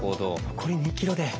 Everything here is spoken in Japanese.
残り２ｋｍで。